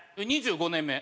２５年目。